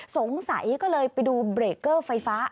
สงสัยก็เลยไปดูเบรกเกอร์ไฟฟ้า